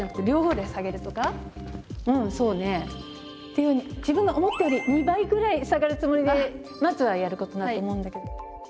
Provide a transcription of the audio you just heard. いうように自分が思ったより２倍ぐらい下がるつもりでまずはやることだと思うんだけど。